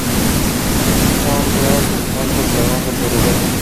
San Blas es el santo patrón del Paraguay.